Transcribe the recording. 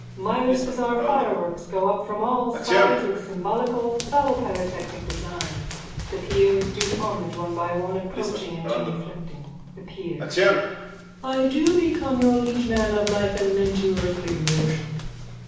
Mirus bazaar fireworks go up from all sides with symbolical phallopyrotechnic designs. The peers do homage, one by one, approaching and genuflecting.)_ THE PEERS: I do become your liege man of life and limb to earthly worship.